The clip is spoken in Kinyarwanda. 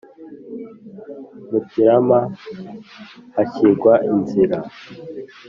mu kirarama, hashyirwa inzira